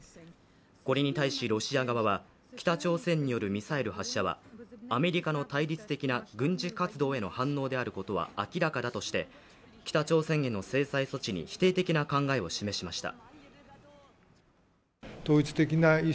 これに対しロシア側は北朝鮮によるミサイル発射はアメリカの対立的な軍事活動への反応であることは明らかであるとして北朝鮮への制裁措置に否定的な考えを示しました。